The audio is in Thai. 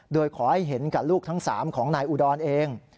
โดยขอให้เห็นกับลูกทั้ง๓ของนายอุดรเอง